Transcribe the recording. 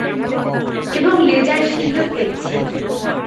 এবং লেজার শিল্ডও পেয়েছি।